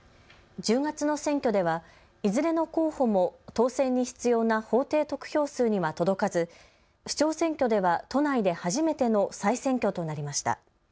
１０月の選挙ではいずれの候補も当選に必要な法定得票数には届かず首長選挙では都内で初めての再選挙となりました。